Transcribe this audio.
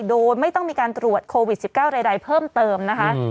โดยไม่ต้องมีการตรวจโควิด๑๙ใดเพิ่มเติมนะคะ